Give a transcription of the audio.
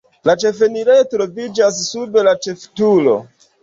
La ĉefenirejo troviĝas sub la ĉefturo.